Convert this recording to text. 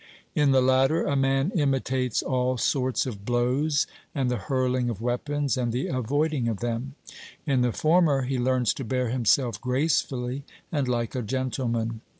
In the latter a man imitates all sorts of blows and the hurling of weapons and the avoiding of them; in the former he learns to bear himself gracefully and like a gentleman.